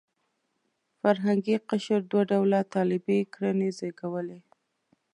فرهنګي قشر دوه ډوله طالبي کړنې زېږولې.